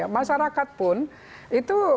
masyarakat pun itu